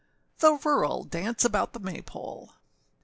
THE RURAL DANCE ABOUT THE MAY POLE.